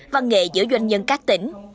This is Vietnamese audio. văn nghệ giữa doanh nhân các tỉnh